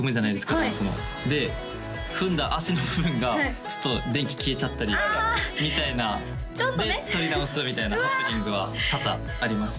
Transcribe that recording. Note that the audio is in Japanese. ダンスもで踏んだ足の部分がちょっと電気消えちゃったりみたいなで撮り直すみたいなハプニングは多々ありました